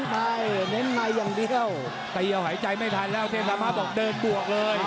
ในเน้นในอย่างเดียวตีเอาหายใจไม่ทันแล้วเทพธรรมะบอกเดินบวกเลย